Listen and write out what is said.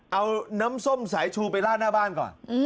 เอาน้ำส้มสายชูไปลาดหน้าบ้านก่อน